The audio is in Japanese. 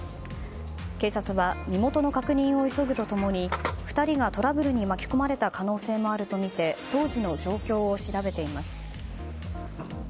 警察は身元の確認を急ぐと共に２人がトラブルに巻き込まれた可能性もあるとみて当時の状況を調べています。